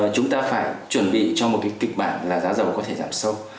chúng ta phải chuẩn bị cho một cái kịch bản là giá dầu có thể giảm sâu